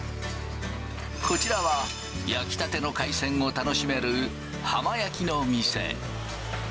こちらは、焼きたての海鮮を楽しめる浜焼きの店。